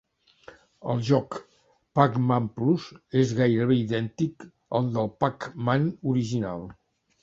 El joc "Pac-Man Plus" és gairebé idèntic al del "Pac-Man" original.